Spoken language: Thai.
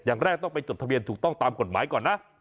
อย่างแรกต้องไปจดทะเบียนถูกต้องตามกฎหมายก่อนนะ